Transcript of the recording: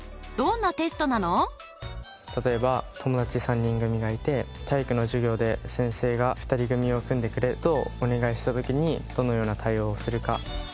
例えば友達３人組がいて体育の授業で先生が２人組を組んでくれとお願いした時にどのような対応をするか。